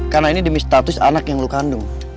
karena ini demi status anak yang lo kandung